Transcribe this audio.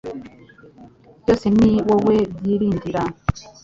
Byose ni wowe byiringira